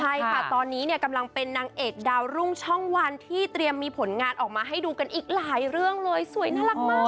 ใช่ค่ะตอนนี้เนี่ยกำลังเป็นนางเอกดาวรุ่งช่องวันที่เตรียมมีผลงานออกมาให้ดูกันอีกหลายเรื่องเลยสวยน่ารักมาก